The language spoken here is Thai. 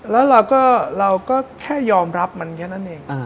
แล้วเราก็แค่ยอมรับมันแค่นั้นเอง